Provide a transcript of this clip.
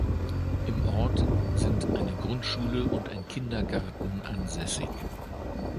Im Ort sind eine Grundschule und ein Kindergarten ansässig.